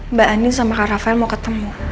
mba andin sama kak rafael mau ketemu